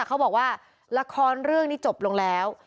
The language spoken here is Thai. เขาบอกว่าละครเรื่องนี้จบลงแล้ว